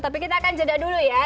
tapi kita akan jeda dulu ya